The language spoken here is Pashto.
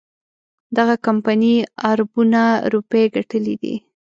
دغه کمپنۍ اربونه روپۍ ګټلي دي.